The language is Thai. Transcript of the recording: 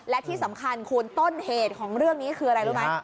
และที่สำคัญคุณต้นเหตุของเรื่องนี้คืออะไรรู้ไหม